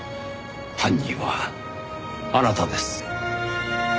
犯人はあなたです。